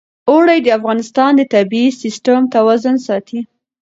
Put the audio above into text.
اوړي د افغانستان د طبعي سیسټم توازن ساتي.